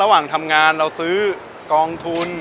ระหว่างทำงานเราซื้อกองทุน